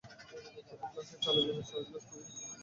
প্রতি গ্লাস চালের জন্য চার গ্লাস পানি হিসেব করে নিলেই চলবে।